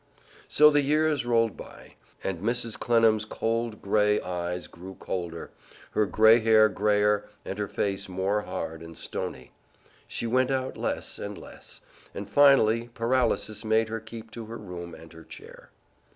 So the years rolled by, and Mrs. Clennam's cold gray eyes grew colder, her gray hair grayer and her face more hard and stony. She went out less and less, and finally paralysis made her keep to her room and her chair.